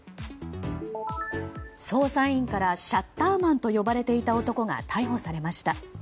捜査員からシャッターマンと呼ばれていた男が逮捕されました。